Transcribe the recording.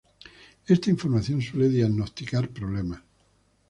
Esta información suele diagnosticar problemas.